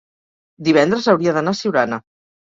divendres hauria d'anar a Siurana.